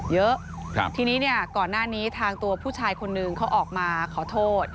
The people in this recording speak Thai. เยอะทีนี้เนี่ยก่อนหน้านี้ทางตัวผู้ชายคนนึงเขาออกมาขอโทษ